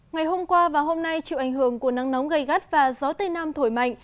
ngày hôm qua và hôm nay chịu ảnh hưởng của nắng nóng gây gắt và gió tây nam thổi mạnh